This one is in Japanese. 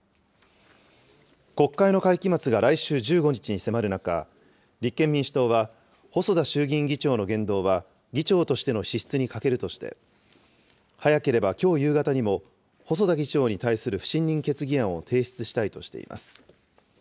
国会の会期末が来週１５日に迫る中、立憲民主党は、細田衆議院議長の言動は、議長としての資質に欠けるとして、早ければきょう夕方にも、細田議長に対する不信任決議案を提出したいとしています。